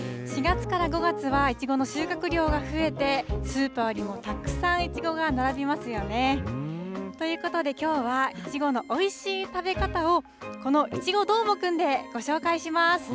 ４月から５月はいちごの収穫量が増えて、スーパーにもたくさんいちごが並びますよね。ということできょうは、いちごのおいしい食べ方を、この、いちごどーもくんでご紹介します。